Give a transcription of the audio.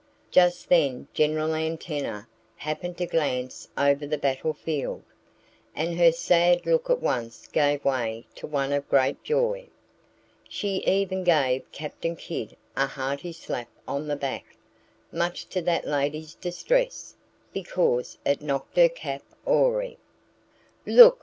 Just then General Antenna happened to glance over the battle field. And her sad look at once gave way to one of great joy. She even gave Captain Kidd a hearty slap on the back much to that lady's distress (because it knocked her cap awry).